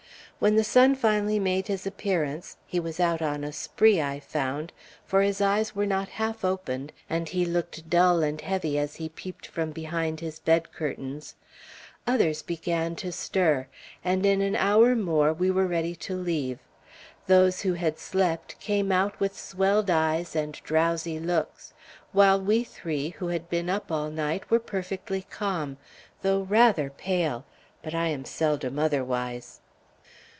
When the sun finally made his appearance (he was out on a spree, I found, for his eyes were not half opened, and he looked dull and heavy as he peeped from behind his bed curtains), others began to stir, and in an hour more, we were ready to leave. Those who had slept, came out with swelled eyes and drowsy looks; while we three, who had been up all night, were perfectly calm, though rather pale; but I am seldom otherwise.